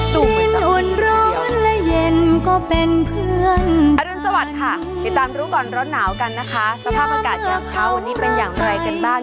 ทุกคนสวัสดีค่ะติดตามรู้ก่อนร้อนหนาวกันนะคะสภาพอากาศอย่างเท่านี้เป็นอย่างไรกันบ้าง